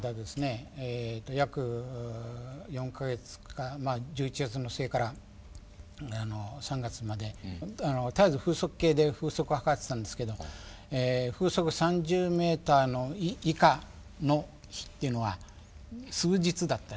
えと約４か月まあ１１月の末から３月まで絶えず風速計で風速測ってたんですけど風速３０ｍ以下の日っていうのは数日だったですね。